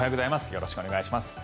よろしくお願いします。